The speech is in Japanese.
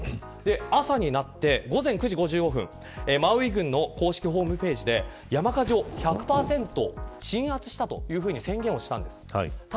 朝になって、午前９時５５分マウイ郡の公式ホームページで山火事を１００％鎮圧したと宣言しました。